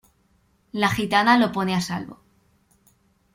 La gitana lo pone a salvo.